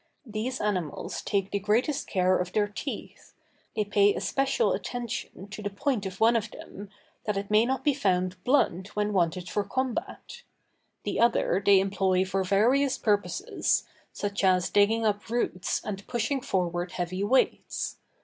These animals take the greatest care of their teeth; they pay especial attention to the point of one of them, that it may not be found blunt when wanted for combat; the other they employ for various purposes, such as digging up roots and pushing forward heavy weights.